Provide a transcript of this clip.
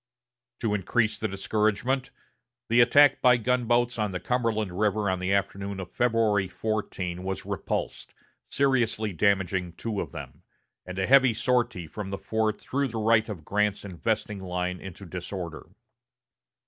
To increase the discouragement, the attack by gunboats on the Cumberland River on the afternoon of February 14 was repulsed, seriously damaging two of them, and a heavy sortie from the fort threw the right of Grant's investing line into disorder.